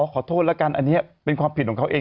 ขอโทษแล้วกันอันนี้เป็นความผิดของเขาเอง